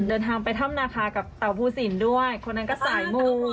เดินทางไปถ้ำนาคากับเต่าภูสินด้วยคนนั้นก็สายมู